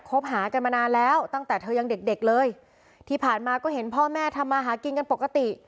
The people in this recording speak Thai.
หากันมานานแล้วตั้งแต่เธอยังเด็กเด็กเลยที่ผ่านมาก็เห็นพ่อแม่ทำมาหากินกันปกติ